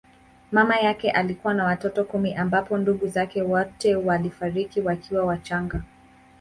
Mama yake alikuwa na watoto kumi ambapo ndugu zake wote walifariki wakiwa wachanga.